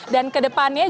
dan ke depannya juga